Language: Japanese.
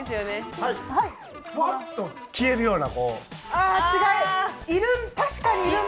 ほわっと消えるような。